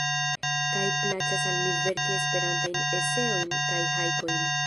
Kaj plaĉas al mi verki Esperantajn eseojn kaj hajkojn.